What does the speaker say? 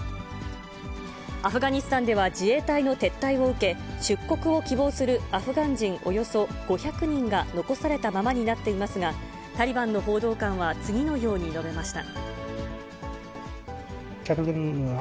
アフガニスタンでは自衛隊の撤退を受け、出国を希望するアフガン人およそ５００人が残されたままになっていますが、タリバンの報道官は次のように述べました。